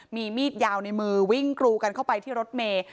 มีมีดยาวในมือวิ่งกรูกันเข้าไปที่รถเมย์